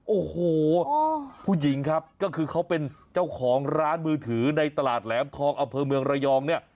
โอ้โหผู้หญิงครับก็คือเขาเป็นเจ้าของร้านมือถือในตลาดแหลมทองอำเภอเมืองระยองเนี่ย